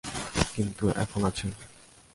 কিন্তু এখন আছে।